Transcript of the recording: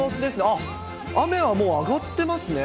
あっ、雨はもう上がってますね。